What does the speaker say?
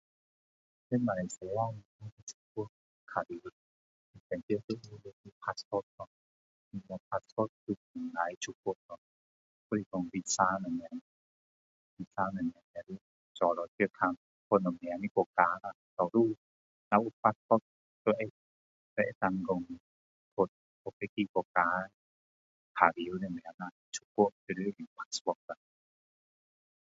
在马来西亚，要出国玩耍一定要有 passport 咯。有 passport 才能够出国咯，还是说 VISA 什么。VISA 什么做了要看是去什么国家咯。多数有 passport 通常可以去很多国家玩耍什么啦。出国都要用 passport 啦。